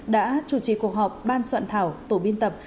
để cuộc họp ban soạn thảo tổ biên tập